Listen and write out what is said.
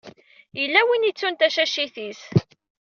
Yella win i yettun tacacit-is.